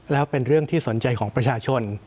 แล้วเป็นเรื่องที่สนใจของประชาชน